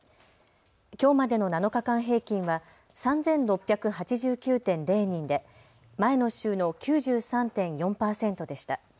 きょうまでの７日間平均は３６８９．０人で前の週の９３．４％でした。